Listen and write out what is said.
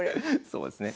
そうですね。